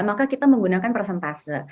maka kita menggunakan persentase